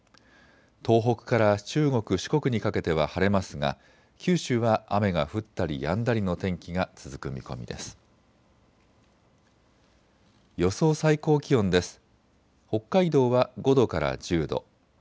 東北から中国・四国にかけては晴れますが九州は雨が降ったりやんだりの天気が続く見込みです。